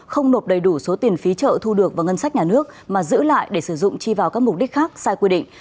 không nộp đầy đủ số tiền phí chợ thu được vào ngân sách nhà nước mà giữ lại để sử dụng chi vào các mục đích khác sai quy định